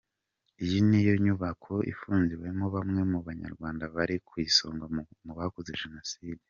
Iyi niyo nyubako ifungiwemo bamwe mu Banyarwanda bari ku isonga mu bakoze Jenoside.